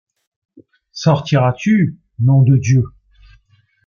Sortiras-tu, nom de Dieu !